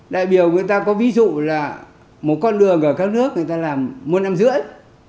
đại biểu người ta có ví dụ là một con đường ở các nước người ta làm một năm rưỡi